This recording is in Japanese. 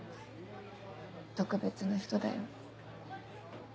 特別な人だよ。